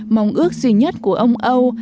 mong ước duy nhất của ông âu